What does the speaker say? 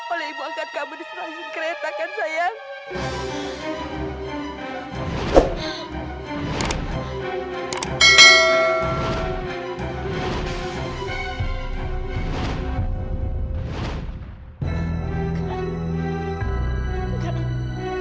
oleh ibu angkat kamu di selanjutnya kereta kan sayang